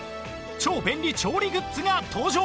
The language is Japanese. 超便利調理グッズが登場！